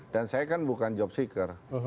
dan saya kan bukan job seeker